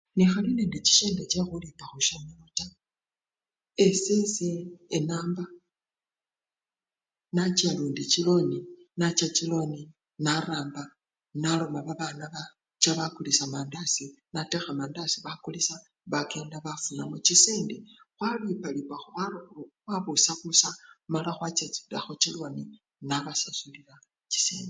Nekhali nende chisende chekhulipa khwisomelo taa, esese enamba nacha lundi chiloni, nacha chiloni naramba naloma babanabange bacha bakulisya mandazi natekha mandazi bakulisya bakenda bafunamo chisendi khwalipalipakho khwabona khuri khwabusabusa mala khwakatilakho chiloni nabasasulila chisendi